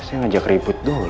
biasanya ngajak ribut dulu